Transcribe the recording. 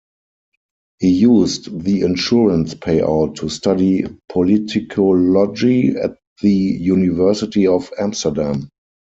He used the insurance payout to study politicology at the University of Amsterdam.